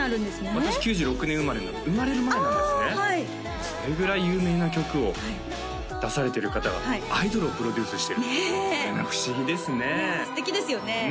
私９６年生まれなので生まれる前なんですねああはいそれぐらい有名な曲を出されてる方がアイドルをプロデュースしてるこれは不思議ですね素敵ですよね